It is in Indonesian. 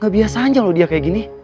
biasa aja loh dia kayak gini